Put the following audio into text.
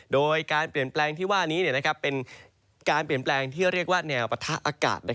โดยการเปลี่ยนแปลงที่ว่านี้เป็นการเปลี่ยนแปลงที่เรียกว่าแนวปะทะอากาศ